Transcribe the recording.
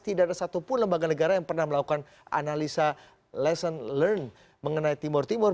tidak ada satupun lembaga negara yang pernah melakukan analisa lesson learn mengenai timur timur